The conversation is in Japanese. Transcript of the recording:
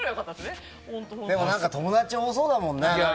でも、友達多そうだもんね。